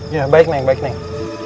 ya baik neng